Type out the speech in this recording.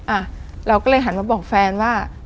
อ่ะเราก็เลยหันมาบอกแฟนว่า